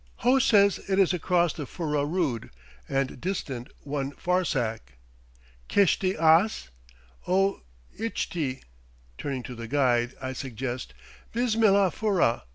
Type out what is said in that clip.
Ho says it is across the Furrah Rood, and distant one farsakh. "Kishtee ass?" "O, Idshtee" Turning to the guide, I suggest: "Bismillah Furrah."